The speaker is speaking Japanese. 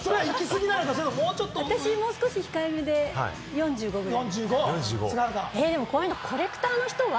私も少し控えめで４５ぐらい？